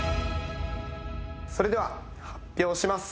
それでは発表します